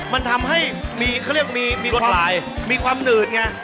มันทำให้มีเขาเรียกมีรดลายมีความหนืดไง